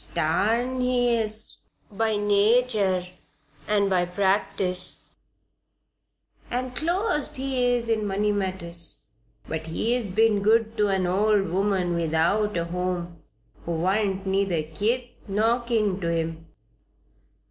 Starn he is by natur and by practice; an' clost he is in money matters. But he's been good to an old woman without a home who warn't neither kith nor kin to him."